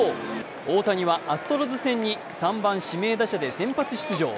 大谷はアストロズ戦に３番・指名打者で先発出場。